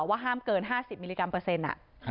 ว่าห้ามเกิน๕๐มิลลิกรัมเปอร์เซ็นต์